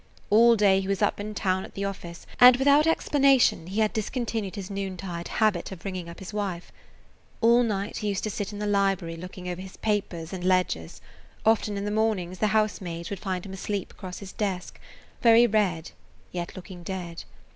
All day he was up in town at the office, and without explanation he had discontinued his noontide habit of ringing up his wife. All night he used to sit in the library looking over his papers and ledgers; often in the mornings the housemaids would find him asleep across his desk, very red, yet looking dead.